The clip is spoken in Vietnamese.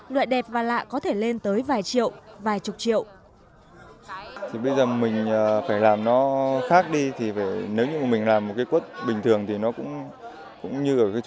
loại đẹp và lạ có thể lên tới vài triệu đồng